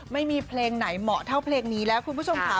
ไม่มีเพลงไหนเหมาะเท่าเพลงนี้แล้วคุณผู้ชมค่ะ